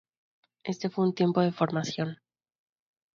Este fue un tiempo de formación.